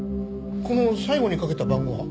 この最後にかけた番号は？